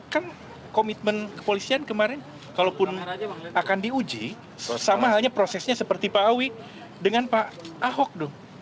kan komitmen kepolisian kemarin kalaupun akan diuji sama halnya prosesnya seperti pak awi dengan pak ahok dong